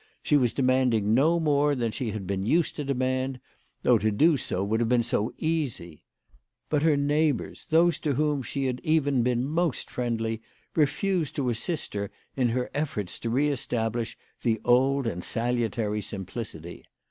She was demanding no more than she had been used to demand, though to do so would have been so easy ! But her neighbours, those to whom she had even been most friendly, refused to assist her in her efforts to re establish the old and salutary simplicity.